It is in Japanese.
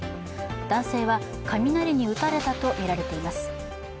男性は雷に打たれたとみられています。